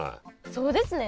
そうですね。